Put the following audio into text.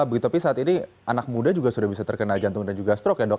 begitu tapi saat ini anak muda juga sudah bisa terkena jantung dan juga strok ya dok